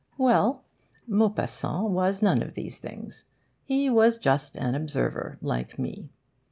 Well, Maupassant was none of these things. He was just an observer, like me.